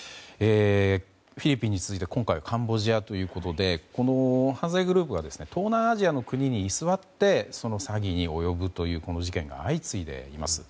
フィリピンに続いて今回はカンボジアということで犯罪グループが東南アジアの国に居座ってその詐欺に及ぶというこの事件が相次いでいます。